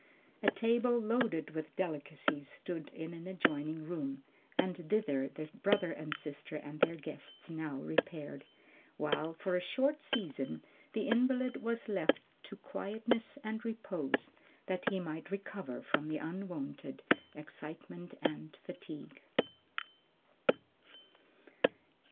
A table loaded with delicacies stood in an adjoining room, and thither the brother and sister and their guests now repaired, while for a short season the invalid was left to quietness and repose that he might recover from the unwonted excitement and fatigue.